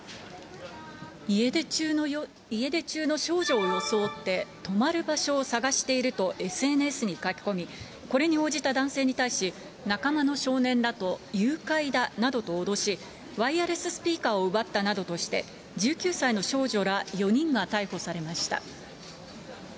家出中の少女を装って、泊まる場所を探していると、ＳＮＳに書き込み、これに応じた男性に対し、仲間の少年らと誘拐だなどと脅し、ワイヤレススピーカーを奪ったなどとして、１９歳の少女ら４人が逮捕されました。